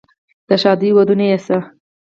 د ښادۍ ودونه یې شه،